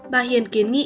bà hiền kiến nghị